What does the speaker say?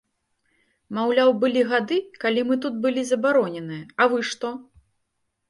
Маўляў, былі гады, калі мы тут былі забароненыя, а вы што?